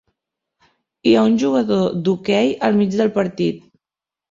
Hi ha un jugador d'hoquei al mig del partit.